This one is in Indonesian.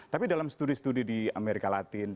tapi dalam studi studi di amerika latin